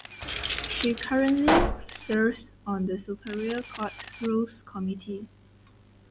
She currently serves on the Superior Courts Rules Committee.